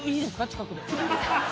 近くで。